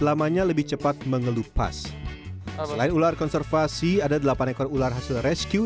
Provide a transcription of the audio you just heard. lamanya lebih cepat mengelupas selain ular konservasi ada delapan ekor ular hasil rescue